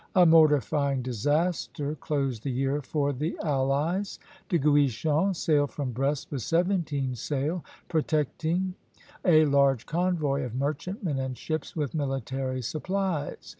A mortifying disaster closed the year for the allies. De Guichen sailed from Brest with seventeen sail, protecting a large convoy of merchantmen and ships with military supplies.